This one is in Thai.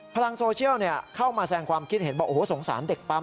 พลังโซเชียลเข้ามาแสงความคิดเห็นบอกโอ้โหสงสารเด็กปั๊ม